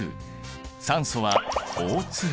酸素はＯ。